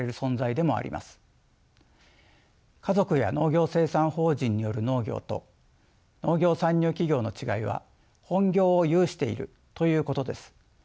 家族や農業生産法人による農業と農業参入企業の違いは本業を有しているということです。